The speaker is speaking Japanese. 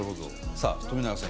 さあ冨永さん